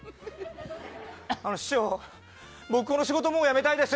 師匠、僕この仕事、もう辞めたいです。